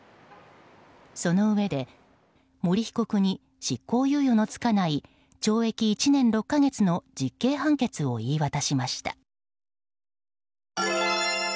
そのうえで、森被告に執行猶予の付かない懲役１年６か月の実刑判決を言い渡しました。